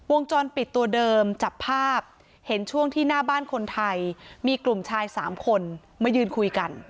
วงจรปิดตัวเดิมจับภาพเห็นช่วงที่หน้าบ้านคนไทยมีกลุ่มชายสามคนมายืนคุยกัน